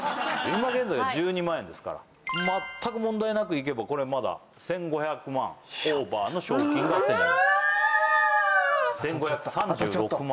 今現在１２万円ですから全く問題なくいけばこれはまだ１５００万オーバーの賞金が手にフ！